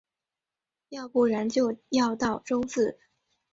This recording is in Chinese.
要不然就要到周四